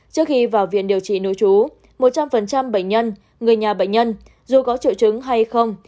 trước khi vào viện điều trị nội trú một trăm linh bệnh nhân người nhà bệnh nhân dù có triệu chứng hay không